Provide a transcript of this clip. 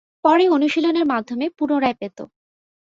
পরে অনুশীলনের মাধ্যমে পুনরায় পেতো।